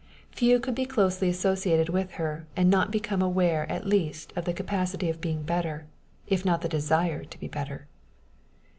Few could be closely associated with her and not become aware at least of the capacity of being better, if not of the desire to be better.